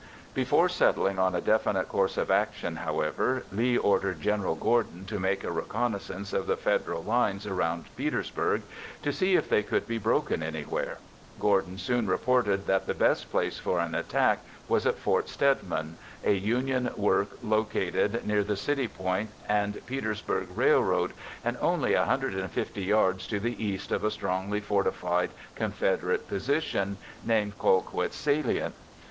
Before settling on a definite course of action, however, Lee ordered General Gordon to make a reconnaissance of the Federal lines around Petersburg to see if they could be broken anywhere. Gordon soon reported that the best place for an attack was at Fort Stedman, a Union work located near the City Point and Petersburg Railroad and only 150 yards to the east of a strongly fortified Confederate position named Colquitt's Salient.